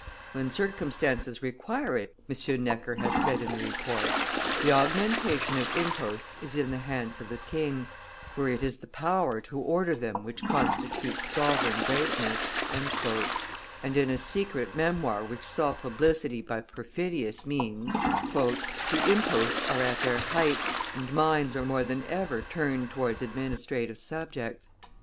"When circumstances require it," M. Necker had said in the Report, "the augmentation of imposts is in the hands of the king, for it is the power to order them which constitutes sovereign greatness;" and, in a secret Memoire which saw publicity by perfidious means: "The imposts are at their height, and minds are more than ever turned towards administrative subjects.